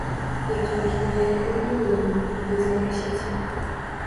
Я толькі маленькую долю змагу туды запрасіць.